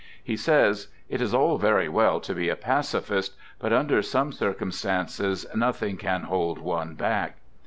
He says: " It is all very well to be a pacifist, but under some circumstances nothing can hold one back."